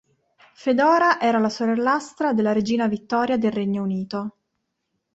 Fedora era la sorellastra della regina Vittoria del Regno Unito.